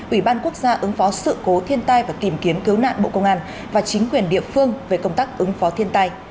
ủy ban quốc gia ứng phó sự cố thiên tai và tìm kiếm cứu nạn bộ công an và chính quyền địa phương về công tác ứng phó thiên tai